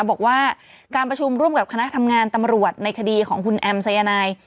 บอกว่าการประชุมร่วมกับคณะทำงานตำรวจในคดีของคุณแอมสายนาย